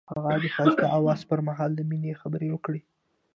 هغه د ښایسته اواز پر مهال د مینې خبرې وکړې.